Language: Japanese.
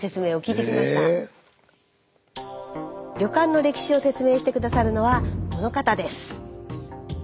旅館の歴史を説明して下さるのはこの方です。